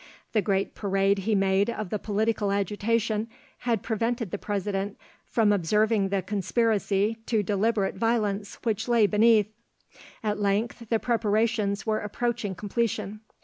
The great parade he made of the political agitation had prevented the President from observing the conspiracy to deliberate violence which lay beneath. At length the preparations were approaching completion.